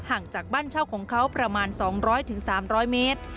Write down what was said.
จากบ้านเช่าของเขาประมาณ๒๐๐๓๐๐เมตร